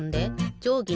じょうぎ２